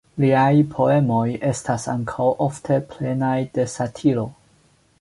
Liaj poemoj estas ankaŭ ofte plenaj de satiro.